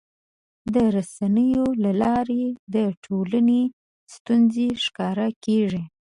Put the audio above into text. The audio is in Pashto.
د رسنیو له لارې د ټولنې ستونزې ښکاره کېږي.